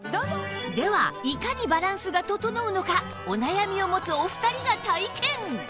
ではいかにバランスが整うのかお悩みを持つお二人が体験